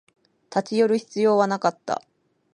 立ち寄る必要はなかった